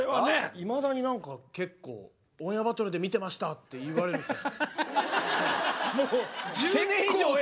いまだに何か結構「オンエアバトルで見てました」って言われるんですよ。